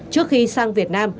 trước khi sang việt nam